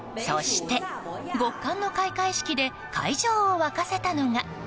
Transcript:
そして極寒の開会式で会場を沸かせたのが。